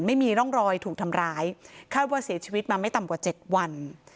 ไม่มีร่องรอยถูกทำร้ายคาดว่าเสียชีวิตมาไม่ต่ำกว่า๗วัน